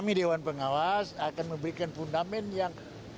ime dewan pengawas akan memberikan aha pebandaman yang kuat